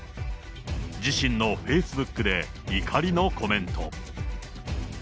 自身のフェイスブックで怒りのコメント。